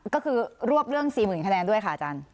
ก็คือรวบเรื่อง๔๐๐๐คะแนนด้วยค่ะอาจารย์